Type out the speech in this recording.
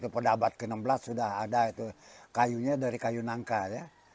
pada abad ke enam belas sudah ada itu kayunya dari kayu nangka ya